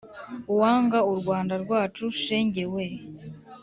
Uwanga u Rwanda rwacu, shenge weee,